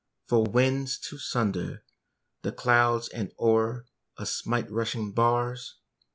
for winds to sunder The clouds and o'er us smite rushing bars!